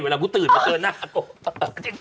เวลากูตื่นมาเกินหน้าก็เจ๊ง